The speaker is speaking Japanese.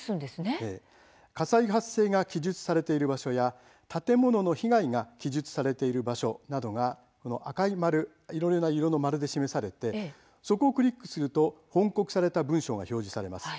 火災発生が記述されている場所や建物の被害が記述されている場所などが赤い丸で示されていてそこをクリックすると翻刻された文章が表示されます。